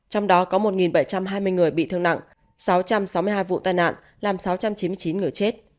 trong đó có một bảy trăm hai mươi người bị thương nặng sáu trăm sáu mươi hai vụ tai nạn làm sáu trăm chín mươi chín người chết